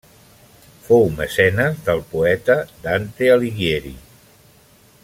Fou mecenes del poeta Dante Alighieri.